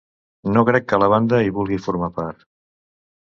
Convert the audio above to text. No crec que la banda hi vulgui formar part.